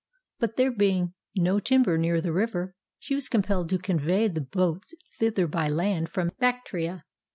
But there being no timber near the river, she was compelled to convey the boats thither by land from Bactria.